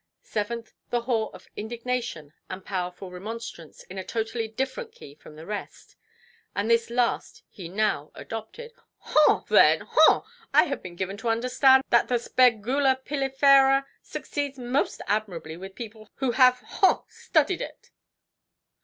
Seventh, the haw of indignation and powerful remonstrance, in a totally different key from the rest; and this last he now adopted. "Haw—then!—haw!—I have been given to understand that the Spergula pilifera succeeds most admirably with people who have—haw!—have studied it".